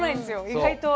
意外と。